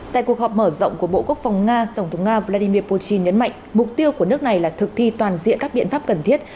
tại cuộc họp mở rộng của bộ quốc phòng nga tổng thống nga vladimir putin nhấn mạnh mục tiêu của nước này là thực thi toàn diện các biện pháp cần thiết